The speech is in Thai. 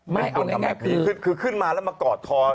ไม่เอาแบบนี้คือขึ้นมาแล้วมากอดทอ